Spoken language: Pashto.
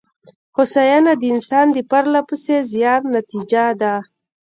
هوساینه د انسان د پرله پسې زیار نتېجه ده.